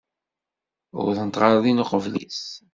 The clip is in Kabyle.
Uwḍent ɣer din uqbel-is.